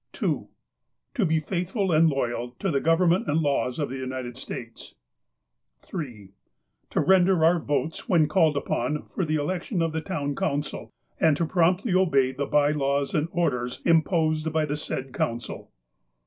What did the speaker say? "2. To be faithful and loyal to the Government and laws of the United States. " 3. To render our votes when called upon for the election of the Town Council, and to promptly obey the by laws and orders imposed by the said Council.